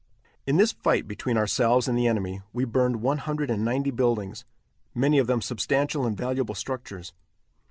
In this fight between ourselves and the enemy we burned one hundred and ninety buildings, many of them substantial and valuable structures.